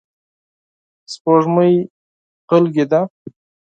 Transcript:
سپوږمۍ غلې ده.